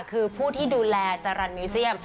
คือผู้ที่ดูแลจรรย์มิวเซียม